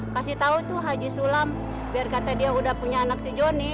kasih tahu tuh haji sulam biar kata dia udah punya anak si joni